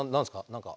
何か。